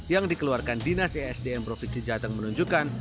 yang dikeluarkan dinas esdm provinsi jateng menunjukkan